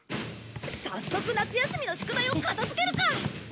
早速夏休みの宿題を片付けるか！